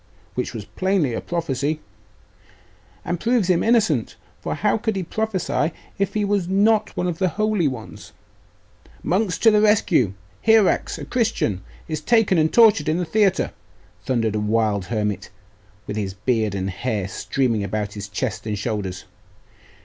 'Which was plainly a prophecy!' 'And proves him innocent; for how could he prophesy if he was not one of the holy ones?' 'Monks, to the rescue! Hierax, a Christian, is taken and tortured in the theatre!' thundered a wild hermit, his beard and hair streaming about his chest and shoulders.